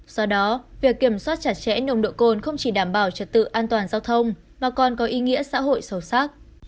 do đó việc kiểm soát chặt chẽ nồng độ cồn không chỉ đảm bảo trật tự an toàn giao thông mà còn có ý nghĩa xã hội sâu sắc